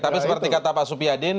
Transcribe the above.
tapi seperti kata pak supiadin